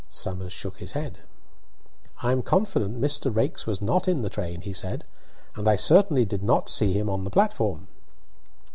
Somers shook his head. "I am confident Mr. Raikes was not in the train," he said, "and I certainly did not see him on the platform."